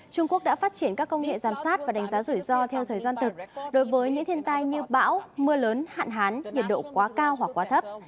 trung quốc đã phát triển các công nghệ giám sát và đánh giá rủi ro theo thời gian thực đối với những thiên tai như bão mưa lớn hạn hán nhiệt độ quá cao hoặc quá thấp